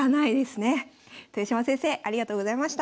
豊島先生ありがとうございました。